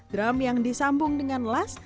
drum yang disambung dengan las